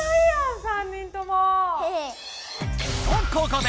とここで！